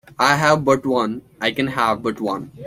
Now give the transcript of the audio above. I have but one; I can have but one.